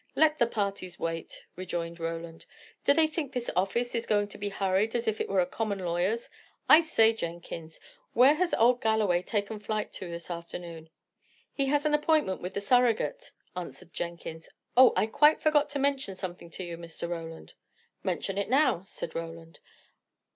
"Let the parties wait," rejoined Roland. "Do they think this office is going to be hurried as if it were a common lawyer's? I say, Jenkins, where has old Galloway taken flight to, this afternoon?" "He has an appointment with the surrogate," answered Jenkins. "Oh! I quite forgot to mention something to you, Mr. Roland." "Mention it now," said Roland.